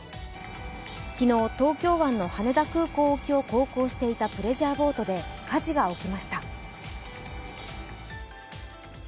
昨日、東京湾の羽田空港沖を航行していたプレジャーボートで火事が起きました。